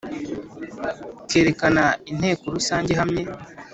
kerekana nteko rusange ihamye